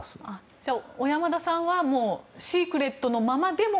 じゃあ、小山田さんはシークレットのままでも。